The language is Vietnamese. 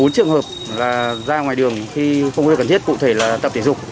bốn trường hợp là ra ngoài đường khi không có điều cần thiết cụ thể là tập thể dục